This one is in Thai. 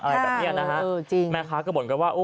อะไรแบบเนี่ยนะฮะแม่ค้าก็บอกกันว่า